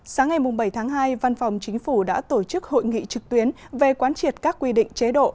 sáng ngày bảy tháng hai văn phòng chính phủ đã tổ chức hội nghị trực tuyến về quán triệt các quy định chế độ